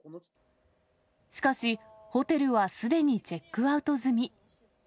しかし、ホテルはすでにチェックアウト済み。